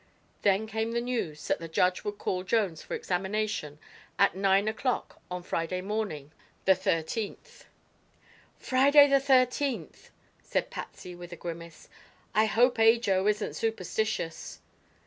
Then came the news that the judge would call Jones for examination at nine o'clock on Friday morning, the thirteenth. "Friday, the thirteenth!" said Patsy with a grimace. "I hope Ajo isn't superstitious."